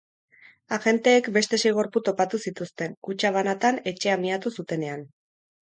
Agenteek beste sei gorpu topatu zituzten, kutxa banatan, etxea miatu zutenean.